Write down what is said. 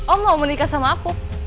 oh mau menikah sama aku